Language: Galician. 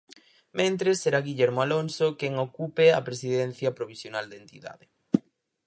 Mentres, será Guillermo Alonso quen ocupe a presidencia provisional da entidade.